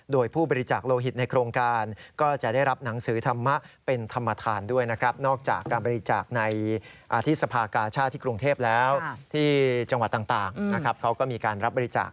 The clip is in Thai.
โดยผู้บริจาคโลหิตในโครงการ